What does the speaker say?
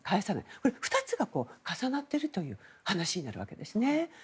これ、２つが重なっているという話になるんですね。